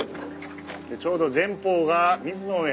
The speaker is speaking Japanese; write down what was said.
ちょうど。